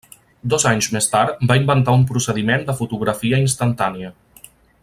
Dos anys més tard va inventar un procediment de fotografia instantània.